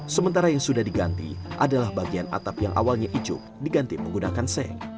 sementara yang sudah diganti adalah bagian atap yang awalnya icuk diganti menggunakan seng